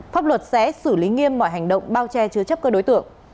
pháp luật sẽ xử lý nghiêm mọi hành động bao che chứa chấp các đối tượng